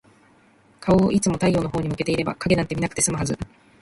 顔をいつも太陽のほうに向けていれば、影なんて見なくて済むはず。